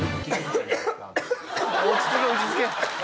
落ち着け落ち着け。